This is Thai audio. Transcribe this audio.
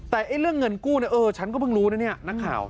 แต่เรื่องเงินกู้เนี่ยเออฉันก็เพิ่งรู้นะเนี่ยนักข่าว